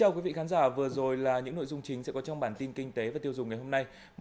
chào mừng quý vị đến với bản tin kinh tế và tiêu dùng ngày hôm nay